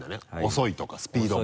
遅いとかスピードも。